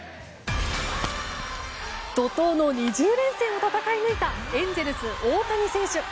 怒涛の２０連戦を戦いぬいたエンゼルス、大谷選手。